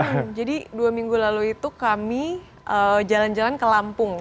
iya jadi dua minggu lalu itu kami jalan jalan ke lampung